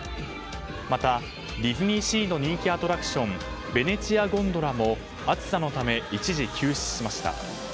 また、ディズニーシーの人気アトラクションベネチアンゴンドラも暑さのため、一時休止しました。